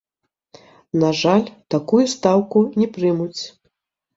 На жаль, такую стаўку не прымуць.